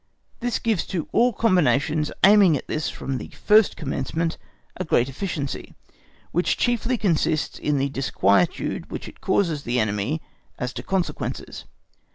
This gives to all combinations aiming at this from the first commencement a great efficiency, which chiefly consists in the disquietude which it causes the enemy as to consequences.